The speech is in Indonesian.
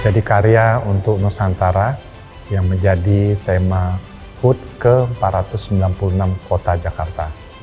jadi karya untuk nusantara yang menjadi tema hud ke empat ratus sembilan puluh enam kota jakarta